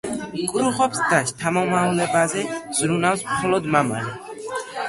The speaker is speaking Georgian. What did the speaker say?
კრუხობს და შთამომავლობაზე ზრუნავს მხოლოდ მამალი.